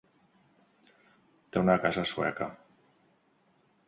Té una casa a Sueca.